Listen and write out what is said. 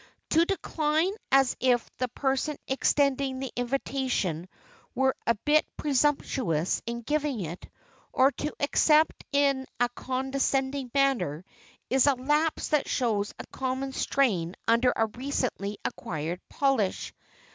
To decline as if the person extending the invitation were a bit presumptuous in giving it, or to accept in a condescending manner, is a lapse that shows a common strain under a recently acquired polish.